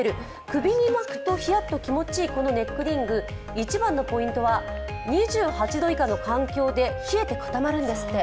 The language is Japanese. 首に巻くとひやっと涼しいこのＩＣＥＲＩＮＧ、一番のポイントは、２８度以下の環境で冷えて固まるんですって。